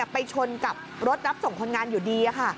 ไปชนกับรถรับส่งคนงานอยู่ดี